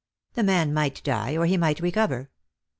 The man might die or he might recover.